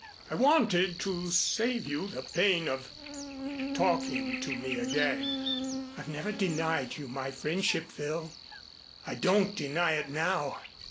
I wanted to save you the pain of talking to me again " "I've never denied you my friendship, Phil. I don't deny it now.